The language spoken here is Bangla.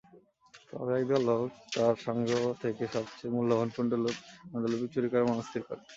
তবে, একদল লোক তার সংগ্রহ থেকে সবচেয়ে মূল্যবান পাণ্ডুলিপি চুরি করার মনস্থির করে।